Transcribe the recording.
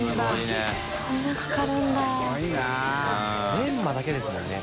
メンマだけですもんね